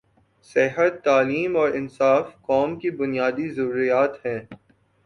صحت، تعلیم اور انصاف قوم کی بنیادی ضروریات ہیں۔